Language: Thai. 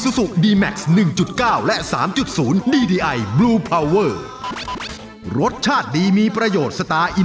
ใส่ตาที่มองกันว่าหอมแก้มแล้วพูดส่งท้ายว่ารักไหม